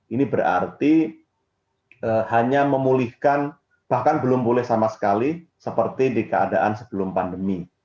ini berarti hanya memulihkan bahkan belum pulih sama sekali seperti di keadaan sebelum pandemi